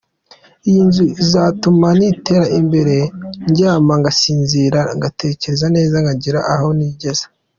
Iyi nzu izatuma niteza imbere ndyama ngasinzira ngatekereza neza nkagira aho nigeza.